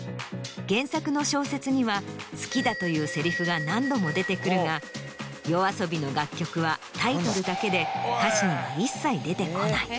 原作の小説には「好きだ」というセリフが何度も出てくるがＹＯＡＳＯＢＩの楽曲はタイトルだけで歌詞には一切出てこない。